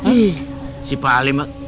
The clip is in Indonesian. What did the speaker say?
ih si pak ali mah